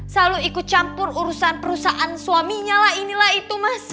selalu ikut campur urusan perusahaan suaminya lah inilah itu mas